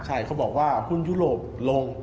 ใช่เขาบอกว่าหุ้นยุโรปลง